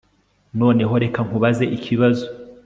Noneho reka nkubaze ikibazo